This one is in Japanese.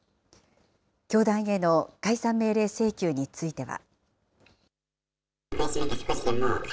教団への解散命令請求については。